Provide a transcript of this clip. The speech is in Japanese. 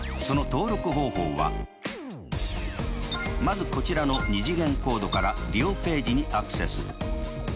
その登録方法はまずこちらの２次元コードから利用ページにアクセス。